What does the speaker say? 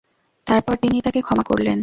তারপর তিনি তাকে ক্ষমা করলেন।